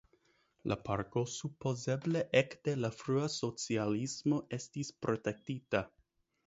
La parko supozeble ekde la frua socialismo estis protektita.